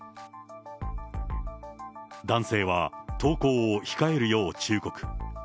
男性は、投稿を控えるよう忠告。